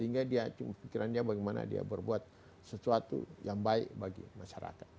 sehingga dia pikiran dia bagaimana dia berbuat sesuatu yang baik bagi masyarakat